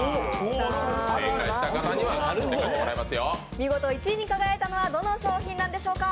見事１位に輝いたのはどの商品なんでしょうか？